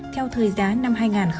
theo thời giá năm hai nghìn một mươi bảy